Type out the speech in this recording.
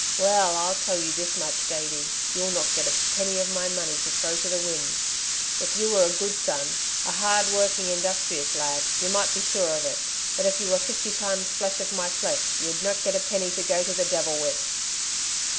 Well, I'll tell you this much, Davey, you'll not get a penny of my money to throw to the winds. If you were a good son, a hardworking, industrious lad, y' might be sure of it, but if you were fifty times flesh of my flesh, you'd not get a penny to go to the devil with."